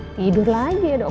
tidur lagi ya doang